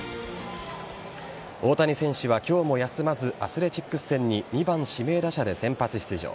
大谷選手は今日も休まずアスレチックス戦に２番・指名打者で先発出場。